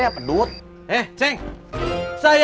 ibu guru siapa